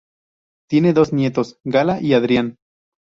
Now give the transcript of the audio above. Tiene dos nietos: Gala y Adrián.